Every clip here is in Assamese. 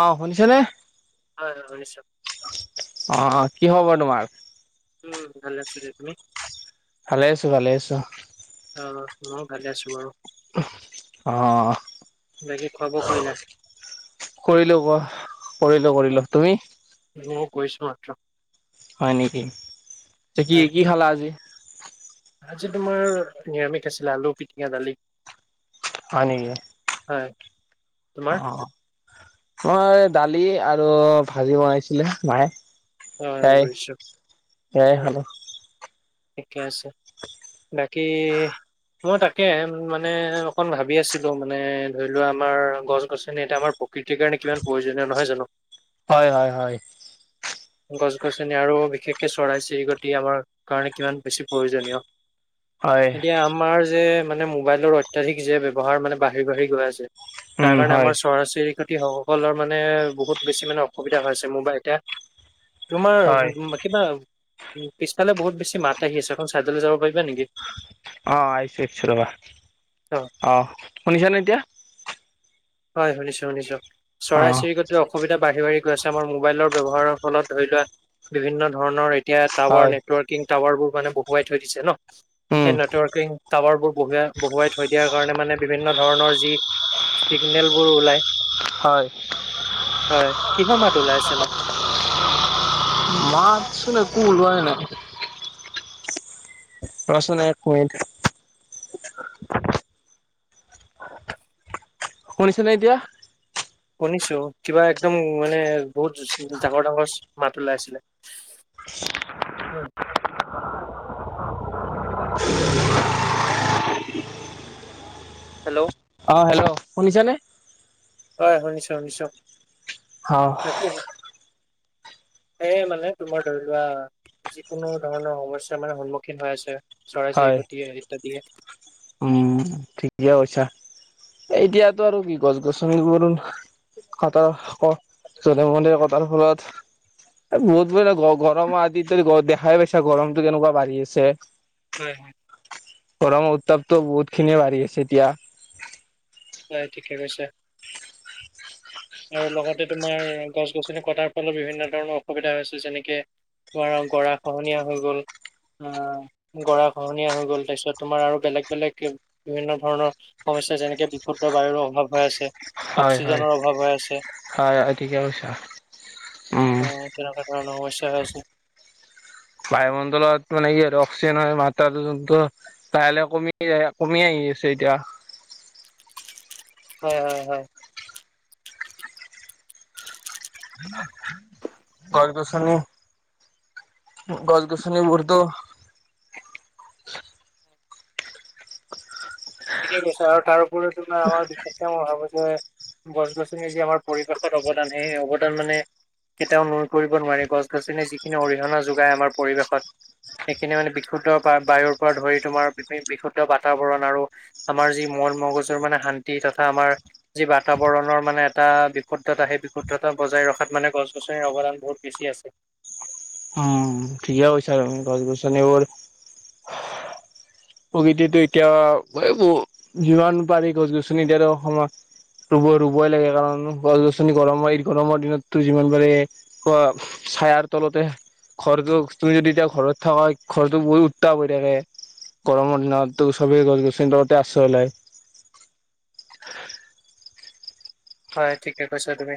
অ', শুনিছেনে। হয়, হয় শুনিছোঁ। অ', কি খবৰ তোমাৰ? উম ভাল আছোঁ দিয়া তুমি। ভালে আছোঁ, ভালে আছোঁ। অ', মই ভালে আছোঁ বাৰু। অ'। বাকী খোৱা বোৱা কৰিলা। কৰিলো ক কৰিলো কৰিলো তুমি। মইও কৰিছোঁ মাত্ৰ। হয় নেকি কি, হয়। কি খালা আজি। আজি তোমাৰ নিৰামিষ আছিলে আলু পিটঙা দালি। হয় নেকি হয়। তোমাৰ? অ'। মই দালি আৰু ভাজি বনাইছিলে মায়ে। অ সেয়াই বুজিছো। সেয়াই হয় খালোঁ। ঠিকে আছে বাকী মই তাকে মানে অকণ ভাবি আছিলোঁ মানে ধৰি লোৱা আমাৰ গছ- গছনি এতিয়া আমাৰ প্ৰকৃতিৰ কাৰণে কিমান প্ৰয়োজনীয় নহয় জানো। হয়, হয়, হয়। গছ- গছনি আৰু বিশেষকে চৰাই চিৰিকটি আমাৰ কাৰণে কিমান বেছি প্ৰয়োজনীয় হয় এতিয়া আমাৰ যে মানে মোবাইলৰ অত্যাধিক যে ব্যৱহাৰ মানে বাঢ়ি, বাঢ়ি গৈ আছে তাৰ উম কাৰণে হয় আমাৰ চৰাই চিৰিকটি সকলৰ মানে বহুত বেছি মানে অসুবিধা হৈছে মোৰবাই এতিয়া হয় তোমাৰ কিবা পিছফালে বহুত বেছি মাত আহি আছে এখন চাইডলৈ যাব পাৰিবা নেকি। অ', আহিছোঁ আহছো ৰবা অ শুনিছানে এতিয়া হয় শুনিছোঁ, শুনিছোঁ অ চৰাই চিৰিক টো অসুবিধা বাঢ়ি, বাঢ়ি গৈ আছে আমাৰ মোবাইলৰ ব্যৱহাৰৰ ফলত ধৰি লোৱা বিভিন্ন ধৰণৰ এতিয়া হয় টাৱাৰ নেটৱৰ্কিং টাৱাৰ বোৰ মানে বহুৱাই থৈ দিছে ন উম সেই নেটৱৰ্কিং টাৱাৰ বোৰ বহাই বহুৱাই থৈ দিয়াৰ কাৰণে মানে বিভিন্ন ধৰণৰ যি চিগনেলবোৰ ওলায় হয়। হয় কিহৰ মাত ওলাই আছে নো মাতছোনে একো ওলোয়াই নাই। ৰচোন এক মিনিট শুনিছানে নাই এতিয়া। শুনিছোঁ কিবা একদম মানে বহুত ডাঙৰ, ডাঙৰ মাত ওলাই আছিলে। উম। হেল্ল'। অ', হেল্ল' শুনিছা নে। হয় শুনিছোঁ, শুনিছোঁ। অ'। কি? এ মানে তোমাৰ ধৰি লোৱা যিকোনো ধৰণৰ সমস্যাৰ মানে সন্মুখীন হৈ আছে চৰাই চিৰি হয় কটিয়ে ইত্যাদি উম ঠিকে কৈছা। এতিয়াতটো আৰু কি গছ গছনি বোৰো কটাৰ ফলত জধে মধে কটাৰ ফলত বহুত ব গৰমৰ আদি দেখাই পাইছা গৰমতটো কেনেকুৱা বাঢ়ি আছে। হয় হয় গৰমৰ উত্তাপতো বহুত খিনিয়ে বাঢ়ি আছে এতিয়া ঠিক আছে। আৰু লগতে তোমাৰ গছ গছনি কটাৰ ফলত বিভিন্ন ধৰণৰ অসুবিধা হৈছে যেনেকে তোমাৰ গৰা খহনীয়া হৈ গল আহ গৰা খহনীয়া হৈ গ'ল তাৰপিছত তোমাৰ আৰু বেলেগ বেলেগ বিভিন্ন ধৰণৰ সমস্যা যেনেকে ক্ষুদ্ৰ বায়ুৰো অভাৱ হৈ আছে হয় হয় অক্সিজেনৰ অভাৱ হৈ আছে হয় হয় ঠিকে কৈছা উম অ তেনেকুৱা ধৰণৰ সমস্যা হৈ আছে। বায়ুমণ্ডলত মানে কি আৰু অক্সিজেন হয় মাতাটো লাহে লাহে কমি আহি আছে এতিয়া হয় হয় হয়। হ [inaudible] গছ গছনি গছ গছনি বোৰতো ঠিকেই কৈছা তাৰ উপৰিও তোমাৰ আমাৰ বিশেষকে মই ভাবিছো গছ গছনি যি আমাৰ পৰিৱেশত অৱদান সেই অৱদান মানে কেতিয়াও নূৰ কৰিব নোৱাৰিব গছ গছনি যিখিনি অৰিহণা যোগাই আমাৰ পৰিৱেশত সেইখিনি মানে বিশুদ্ধ বা বায়ুৰ পৰা ধৰি তোমাৰ বিশুদ্ধ বাতাবৰণ আৰু আমাৰ যি মন মগজুৰ মানে শান্তি তথা আমাৰ যি বাতাবৰণৰ মানে এটা বিশুদ্ধতা সেই বিশুদ্ধতা বজাই ৰখাত মানে গছ গছনিৰ অৱদান বহুত বেছি আছে অহ'। উম', ঠিকে কৈছা, গছ গছনিবোৰ প্ৰকৃতিতো এতিয়া যিমান পাৰি গছ গছনি এতিয়াতো অসমত ৰুব ৰুবই লাগে, কাৰণ গছ গছনি গৰমৰ এই গৰমৰ দিনতটো যিমান পাৰে ক' চায়াৰ তলতে ঘৰটো তুমি যদি এতিয়া ঘৰত থাকা, ঘৰটো বহুত উত্তাপ হৈ থাকে। গৰমৰ দিনত তো চবেই গছ গছনিৰ তলতেই আশ্ৰই লয়। হয় ঠিকে কৈছা তুমি,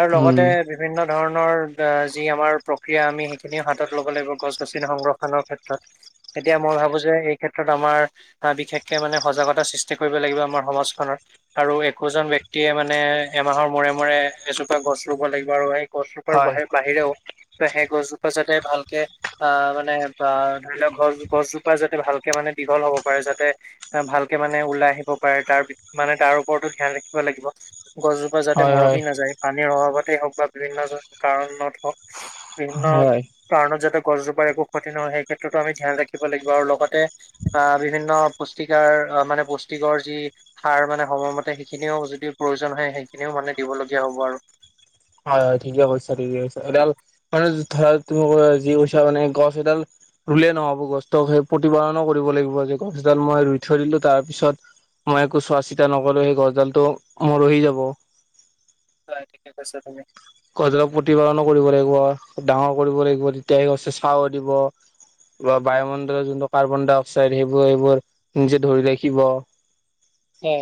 আৰু উম লগতে বিভিন্ন ধৰণৰ যি আমাৰ প্ৰক্ৰিয়া, আমি সেইখিনিও হাতত ল'ব লাগিব, গছ গছনি সংৰক্ষণৰ ক্ষেত্ৰত। এতিয়া মই ভাবো যে এই ক্ষেত্ৰত আমাৰ আহ', বিশেষকে মানে সজাগতা সৃষ্টি কৰিব লাগিব আমাৰ সমাজখনৰ, আৰু একোজন বক্তি এতিয়া মানে এমাহৰ মূৰে মূৰে এজোপা গছ ৰুব লাগিব, আৰু উৰাই গছজোপাৰ হয় বাহিৰ বাহিৰেও ত সেই গছজোপা যাতে ভালকে আহ মানে আহ ধৰি লওক গছ গছজোপা যাতে ভালকে মানে দীঘল হ'ব পাৰে যাতে ভালকে মানে ওলাই আহিব পাৰে, তাৰ মানে তাৰ ওপৰতো ধ্যান ৰাখিব লাগিব, গছজোপা যাতে হয় মৰহি হয় নাযায়। পানীৰ অভাৱতেই হওক, বা বিভিন্ন কাৰণত হওক, বিভিন্ন হয় কাৰণত যাতে গছজোপাৰ একো ক্ষতি নহয়, সেই ক্ষেত্ৰতো আমি ধ্যান ৰাখিব লাগিব, আৰু লগতে আ' বিভিন্ন পুষ্টিকাৰ অ' মানে পুষ্টিকৰ যি সাৰ মানে সময়মতে খিনিও যদি প্ৰয়োজন হয়, সেইখিনিও মানে দিবলগীয়া হ'ব আৰু। হয় হয়, ঠিকে কৈছা, ঠিকে কৈছা, এদাল মানে ধৰা তুমি যি কৈছা মানে গছ এডাল ৰুলে নহ'ব, গছটোক সেই প্ৰতিপালনো কৰিব লাগিব, যে গছডাল মই ৰুই থৈ দিলোঁ তাৰপিছত মই একো চোৱা চিতা নকৰোঁ, সেই গছডালতো মৰহি যাব। হয়', ঠিকে কৈছা তুমি। গছ ডালক প্ৰতিপালনো কৰিব লাগিব, ডাঙৰ কৰিব লাগিব, তেতিয়াহে গছে চা দিব। বা বায়ুমণ্ডলৰ যোনটো কাৰ্বন ডাই অক্সাইড সেইবোৰ সেইবোৰ নিজে ধৰি ৰাখিব। তাকে,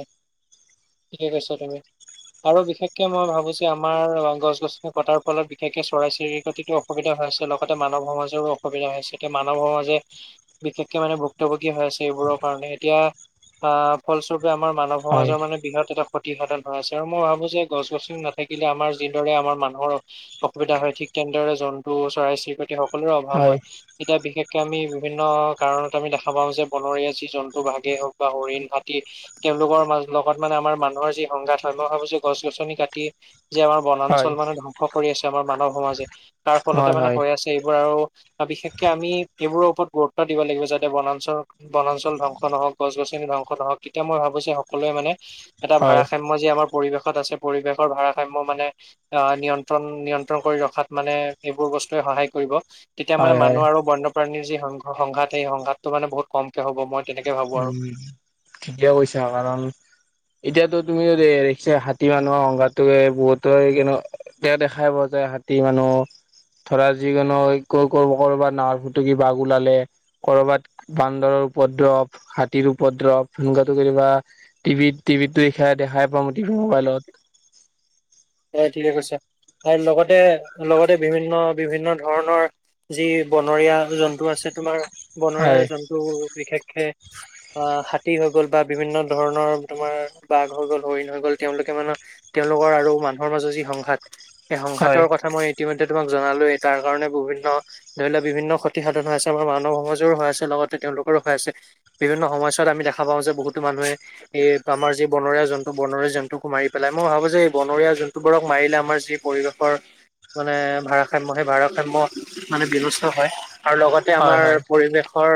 ঠিকে কৈছা তুমি। আৰু বিশেষকে মই ভাবিছোঁ, আমাৰ গছ গছনি কতাৰ ফলত বিশেষকে চৰাই চিৰিকতিটো অসুবিধা হৈছে, লগতে মানৱ সমাজৰো অসুবিধা হৈছে, এতিয়া মানৱ সমাজে বিশেষকে মানে ভুক্তভোগী হৈ আছে, এইবোৰৰ কাৰণে এতিয়া আহ', ফলস্বৰূপে টোৱে আমাৰ মানৱ হয় সমাজৰ মানে বিনত এটা ক্ষতিসাধন হৈ আছে, আৰু মই ভাবোঁ যে গছ গছনি নাথাকিলে আমাৰ যিদৰে আমাৰ মানুহৰ অসুবিধা হয়, ঠিক তেনেদৰে জন্তু চৰাই চিৰিকতি সকলোৰে অভাৱ হয়। এতিয়া বিশেষকে আমি বিভিন্ন কাৰণত আমি দেখা পাওঁ যে, বনৰীয়া যি জন্তু বাঘেই হওঁক বা হৰিণ, হাতী তেওঁলোকৰ মা লগত মানে আমাৰ মানুহৰ যি সংঘাত হয়, মই ভাবো জে গছ গছনি কাটি যি আমাৰ হয় বনাঞ্চল মানে ধ্বংস কৰি আছে আমাৰ মানৱ সমাজে, তাৰ ফলতে হয় মানে হৈ আছে এইবোৰ আৰু বিশেষকে আমি এইবোৰৰ ওপৰত গুৰুত্ব দিব লাগিব, যাতে বনাঞ্চল বনাঞ্চল ধ্বংস নহওঁক, গছ গছনি ধ্বংস নহওঁক। এতিয়া মই ভাবোঁ যে সকলোৱে মানে এটা হয় হয় ভাৰসাম্য যি আমাৰ পৰিৱেশত আছে, পৰিৱেশৰ ভাৰসাম্য মানে আহ', নিয়ন্ত্ৰণ নিয়ন্ত্ৰণ কৰি ৰখাত মানে যিবোৰ বস্তুৱে সহায় কৰিব। তেতিয়া মানে হয় হয় মানুহ আৰু বন্যপ্ৰাণীৰ যি সং সংঘাত সেই সংঘাতটো মানে বহুত কমকে হ'ব, মই তেনেকে ভাবো আৰু উম', ঠিকে কৈছা কাৰণ এতিয়াতো তুমি যদি হাতী মানুহৰ সংঘাতটোয়ে বহুত এতিয়া দেখাব যে হাতী, মানুহ ধৰা যিকোনো ক ক কৰ'বাত নাহৰ ফুটুকি বাঘ ওলালে। কৰবাত বান্দৰৰ উপদ্ৰৱ, হাতীৰ উপদ্ৰৱ, সেনেকুৱাটো কেতিয়াবা টিভিত টিভিতটো এইখিনি দেখাই পাওঁ মই টিভি মোবাইলত। হয় ঠিকে কৈছা আৰু লগতে লগতে বিভিন্ন বিভিন্ন ধৰণৰ যি বনৰীয়া জন্তু আছে তোমাৰ হয় বনৰীয়া জন্তু বিশেষকে অ হাতী হৈ গ'ল বা বিভিন্ন ধৰণৰ তোমাৰ বাঘ হৈ গ'ল হৰিণ হৈ গ'ল তেওঁলোকে মানে তেওঁলোকৰ আৰু মানুহৰ মাজত যি সংঘাত সেই হয় সংঘাতৰ কথা মই ইতিমধ্যে তোমাক জনালোঁ তাৰ কাৰণে বিভিন্ন ধৰি লোৱা বিভিন্ন ক্ষতি সাধন হৈ আছে আমাৰ মানৱ সমাজৰো হৈ আছে লগতে তেওঁলোকৰো হৈ আছে বিভিন্ন সময়ছোৱাত আমি দেখা পাওঁ যে বহুতো মানুহে এই আমাৰ যি বনৰীয়া জন্তু বনৰীয়া জন্তুকো মাৰি পেলাই মই ভাবোঁ যে এই বনৰীয়া জন্তু জন্তুবোৰক মাৰিলে আমাৰ যি পৰিৱেশৰ মানে ভাৰসাম্য সেই ভাৰসাম্য মানে বিনষ্ট হয় আৰু লগতে হয় আমাৰ হয় পৰিৱেশৰ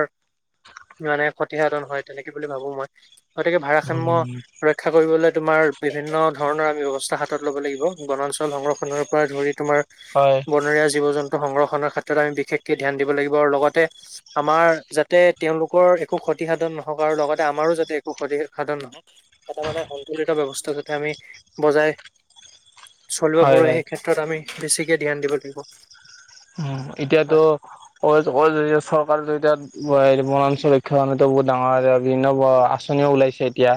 মানে ক্ষতিসাধন হয় তেনেকে বুলি ভাবোঁ মই গতিকে ভাৰসাম্য উম ৰক্ষা কৰিবলৈ তোমাৰ বিভিন্ন ধৰণৰ আমি ব্যৱস্থা হাতত ল'ব লাগিব বনাঞ্চল সংৰক্ষণৰ পৰা ধৰি তোমাৰ হয় বনৰীয়া জীৱ জন্তু সংৰক্ষণৰ ক্ষেত্ৰত আমি বিশেষকে ধ্যান দিব লাগিব, আৰু লগতে আমাৰ যাতে তেওঁলোকৰ একো ক্ষতিসাধন নহওঁক, আৰু লগতে আমাৰো যাতে একো ক্ষতি সাধন নহওক। এটা মানে সন্তুলিত ব্যৱস্থা যাতে আমি বজাই- চলিব হয় পাৰো, হয় সেই ক্ষেত্ৰত আমি বেছিকে ধ্যান দিব লাগিব। উমঁ, এতিয়াতো হয় অইল-অইল এৰিয়াত চৰকাৰ যে এতিয়া- বনাঞ্চল ৰক্ষা কাৰণেটো বহুত ডাঙৰ বিভিন্ন আঁচনিও ওলাইছে এতিয়া।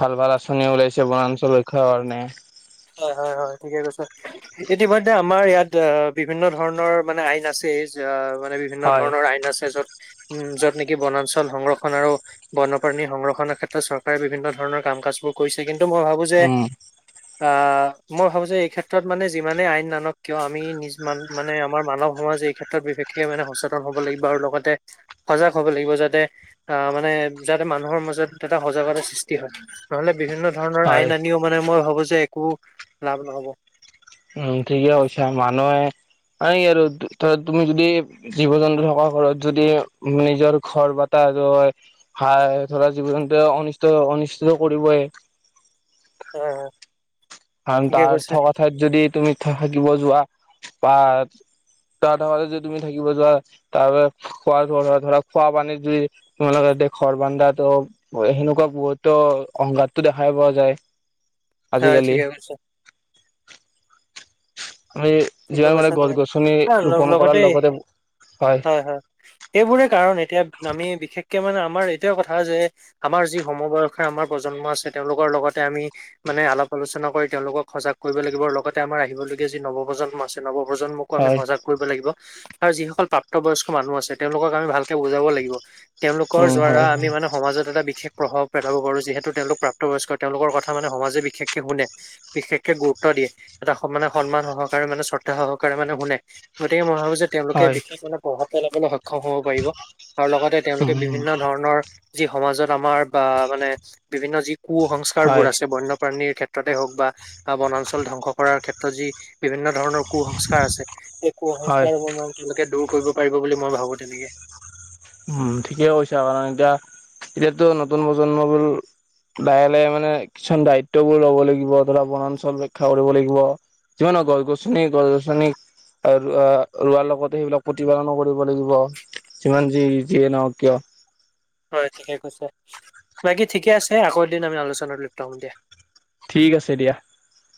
ভাল-ভাল আঁচনি ওলাইছে বনাঞ্চল ৰক্ষাৰ কাৰণে। হয়-হয়-হয় ঠিকে কৈছা। ইতিমধ্যে আমাৰ ইয়াত আহ বিভিন্ন ধৰণৰ মানে আইন আছে, আহ- মানে বিভিন্ন হয়। ধৰণৰ আইন আছে য'ত, উমঁ, য'ত নেকি বনাঞ্চল সংৰক্ষন আৰু- বন্যপ্ৰাণী সংৰক্ষণৰ ক্ষেত্ৰত চৰকাৰে বিভিন্ন ধৰণৰ কাম- কাজবোৰ কৰিছে, কিন্তু মই ভাবো যে- উম আহ মই ভাবো যে এই ক্ষেত্ৰত মানে যিমানে আইন নানক কিয় আমি নিজক মানে আমাৰ মানৱ সমাজ এই ক্ষেত্ৰত- বিশেষকে মানে সচেতন হ'ব লাগিব আৰু লগতে- সজাগ হ'ব লাগিব যাতে আঁহ মানে যাতে মানুহৰ মাজত এটা সজাগতা সৃষ্টি হয়। নহ'লে বিভিন্ন ধৰণৰ হয় আইন আনিও মানে মই ভাবো যে একো লাভ নহ'ব। উমঁ, ঠিকে কৈছা। মানুহে এই আৰু তুমি যদি- জীৱ-জন্তু থকা ঘৰত যদি নিজৰ ঘৰ পটা হয়। হয়, ধৰা জীৱ-জন্ত অনিষ্ট-অনিষ্টিটো কৰিবই। হয়-হয়। কাৰণ তাৰ থকা ঠাইত যদি তুমি থাকিব যোৱা বা- তাৰ তাহতে যে তুমি থাকিব যোৱা তাৰ খোৱা ধৰা খোৱা পানীত যদি- তোমালোকে ঘৰ বান্ধাটো- সেনেকুৱা বহুতোৰ অহংকাৰটো দেখাই পোৱা যায়। হয় আজিকালি। ঠিকে কৈছা। আমি ঠিকে যিমান মানে কৈছা তুমি। গছ-গছনি আ, লগ ৰোপন কৰাৰ লগতে, হয়। এইবোৰে কাৰণ এতিয়া আমি বিশেষকে মানে আমাৰ এইটাই কথা যে- আমাৰ যি সমবয়সৰ আমাৰ প্ৰজন্ম আছে, তেওঁলোকৰ লগতে আমি মানে অলপ আলোচনা কৰি তেওঁলোকক সজাগ কৰিব লাগিব, লগতে আমাৰ আহিবলগীয়া যি নৱ প্ৰজন্ম- আছে, নৱপ্ৰজন্মকো আমি হয় সজাগ- কৰিব লাগিব, আৰু যিসকল প্ৰাপ্তবয়স্ক মানুহ আছে তেওঁলোকক আমি ভালকে বুজাব লাগিব। তেওঁলোকৰ উম জ্বাৰা হয় আমি মানে- সমাজত এটা বিশেষ প্ৰভাৱ পেলাব পাৰো, যিহেতু তেওঁলোক প্ৰাপ্তবয়স্ক তেওঁলোকৰ কথা মানে সমাজে বিশেষকে শুনে। বিশেষকে গুৰুত্ব দিয়ে। এটা মানে সন্মান- সহকাৰে মানে শ্ৰদ্ধা সহকাৰে শুনে, গতিকে মই ভাবো তেওঁলোকে হয় বিশেষ মানে প্ৰভাৱ পেলাবলৈ - সক্ষম হ'ব পাৰিব, আৰু লগতে তেওঁলোকে উম বিভিন্ন ধৰণৰ যি সমাজত আমাৰ- বা মানে বিভিন্ন যি কু-সস্কাৰবোৰ হয় আছে বন্যপ্ৰাণীৰ ক্ষেত্ৰতে হওঁক বা- বা বনাঞ্চল ধ্বংস কৰাৰ ক্ষেত্ৰত যি বিভিন্ন ধৰণৰ কু-সংস্কাৰ আছে, সেই হয় কু-সংস্কাৰবোৰ মানে- তেওঁলোকে দূৰ কৰিব পাৰিব বুলি মই ভাবো তেনেকে। উমঁ, ঠিকে কৈছা আৰু। কাৰণ এতিয়া, এতিয়াটো নতুন-নতুন প্ৰজন্মবোৰ- লাহে-লাহে মানে কিছুমান দায়িত্ববোৰ লব লাগিব, ধৰা বনাঞ্চল ৰক্ষা কৰিব লাগিব। কিয় নকয়, গছ-গছনি, গছ-গছনি আৰু ৰোৱাৰ লগতে সেইবিলাক প্ৰতিপালনো কৰিব লাগিব। যিমান- যি যিয়ে নহওঁক কিয়। হয়, ঠিকে কৈছে। বাকী' ঠিকে আছে আকৌ এদিন আমি আলোচনাত লিপ্ত হম দিয়া। ঠিক আছে দিয়া। হয়।